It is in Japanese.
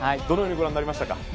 どのようにご覧になりましたか。